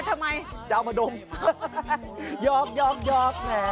ทำไมยาวมาดมยอกแน่